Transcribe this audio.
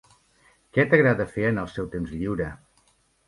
Què t'agrada fer en el seu temps lliure?